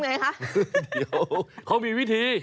เดี๋ยวเขามีวิธี